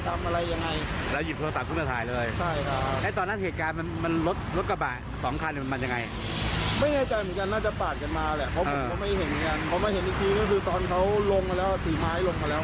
ต่างคือลุงลงมาจากรถแล้วก็ถือไม้ออกมา